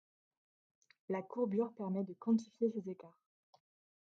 La courbure permet de quantifier ces écarts.